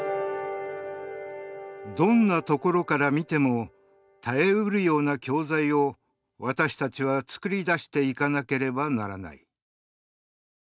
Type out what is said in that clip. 「どんなところから見ても耐えうるような教材を私たちは作り出していかなければならない」